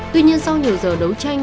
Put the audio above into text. tuy nhiên sau nhiều giờ đấu tranh